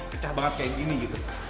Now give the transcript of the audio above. pecah banget kayak gini gitu